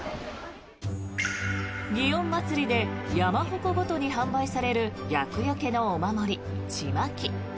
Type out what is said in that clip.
祇園祭で山鉾ごとに販売される厄よけのお守り、ちまき。